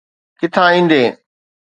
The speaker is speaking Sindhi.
ڪٿان ايندي؟